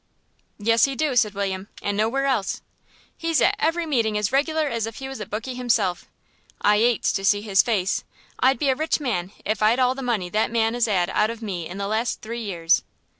"Yes, he do," said William, "an' nowhere else. He's at every meeting as reg'lar as if he was a bookie himself. I 'ates to see his face.... I'd be a rich man if I'd all the money that man 'as 'ad out of me in the last three years."